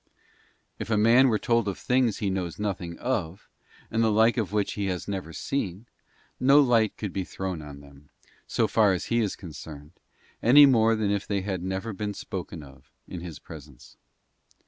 If a man were told of things he knows nothing of, and the like of which he has never seen, no light could be thrown on them, so far as he is concerned, any more than if they had never been spoken of in his presence.